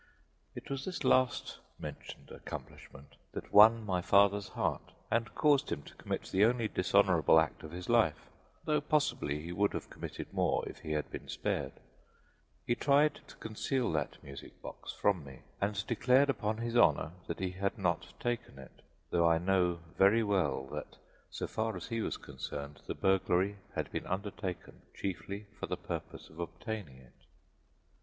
It was this last mentioned accomplishment that won my father's heart and caused him to commit the only dishonorable act of his life, though possibly he would have committed more if he had been spared: he tried to conceal that music box from me, and declared upon his honor that he had not taken it, though I know very well that, so far as he was concerned, the burglary had been undertaken chiefly for the purpose of obtaining it.